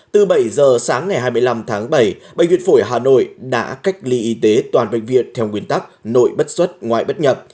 từ bảy giờ sáng ngày hai mươi năm tháng bảy bệnh viện phổi hà nội đã cách ly y tế toàn bệnh viện theo nguyên tắc nội bất xuất ngoại bất nhập